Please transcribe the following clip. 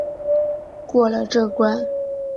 过了这关